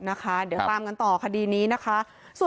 เดี๋ยวตามกันต่อคดีนี้นะคะ